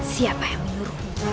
siapa yang menyuruhmu